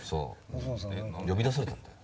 呼び出されたんだよ。